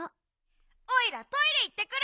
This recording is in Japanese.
おいらトイレいってくる！